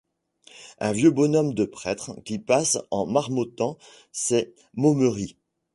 Un vieux bonhomme de prêtre qui passe en marmottant ses momeries?